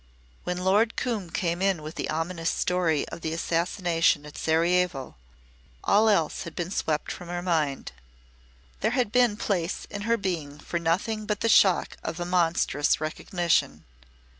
When Lord Coombe came in with the ominous story of the assassination at Sarajevo, all else had been swept from her mind. There had been place in her being for nothing but the shock of a monstrous recognition.